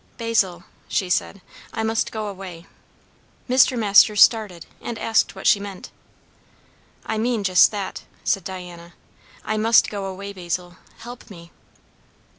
"Basil," she said, "I must go away." Mr. Masters started, and asked what she meant. "I mean just that," said Diana. "I must go away Basil, help me!"